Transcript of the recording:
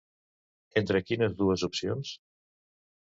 Entre quines dues opcions?